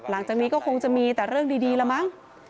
หลังจากนี้ก็คงจะมีแต่เรื่องดีแล้วมั้ง